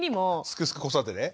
「すくすく子育て」で？